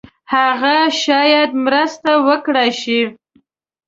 هغه شاید مرسته وکړای شي.